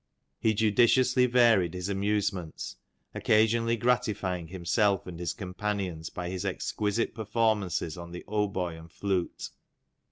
He judiciously varied his amusements, occasionally gratifying himself and his companions by his exquisite performances on the hautboy and flute.